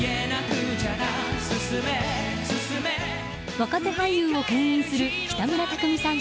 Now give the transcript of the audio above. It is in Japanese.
若手俳優を牽引する北村匠海さん